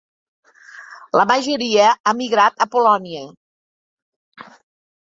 La majoria ha migrat a Polònia.